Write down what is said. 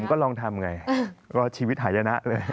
ก็ลองทำไงก็ชีวิตหายนะเลย